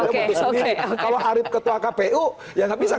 kalau arief ketua kpu ya nggak bisa